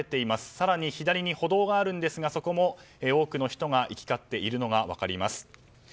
更に左に歩道があるんですがそこも多くの人が行き交っているのが分かります。